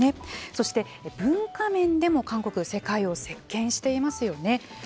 そして文化面でも韓国、世界を席けんしていますよね。